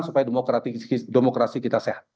supaya demokrasi kita sehat